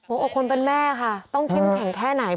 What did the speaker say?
อกคนเป็นแม่ค่ะต้องเข้มแข็งแค่ไหน